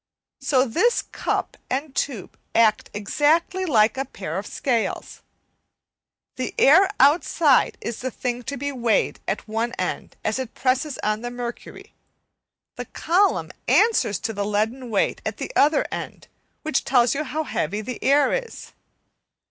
So this cup and tube act exactly like a pair of scales. The air outside is the thing to be weighed at one end as it presses on the mercury, the column answers to the leaden weight at the other end which tells you how heavy the air is.